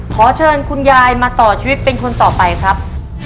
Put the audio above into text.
ขอเชิญคุณยายมาต่อชีวิตเป็นคนต่อไปครับ